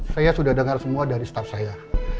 saya sudah dengar semua dari staff saya